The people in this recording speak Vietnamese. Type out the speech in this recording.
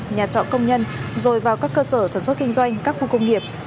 nhà trọ công nhân rồi vào các cơ sở sản xuất kinh doanh các khu công nghiệp